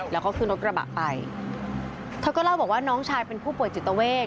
แล้วก็ขึ้นรถกระบะไปเธอก็เล่าบอกว่าน้องชายเป็นผู้ป่วยจิตเวท